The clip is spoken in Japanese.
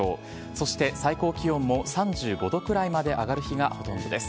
そして最高気温も３５度くらいまで上がる日がほとんどです。